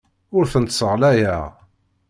Ur tent-sseɣlayeɣ.